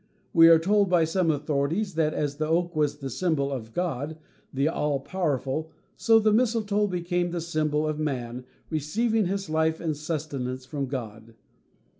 We are told by some authorities that as the oak was the symbol of God, the All powerful, so the mistletoe became the symbol of man, receiving his life and sustenance from God.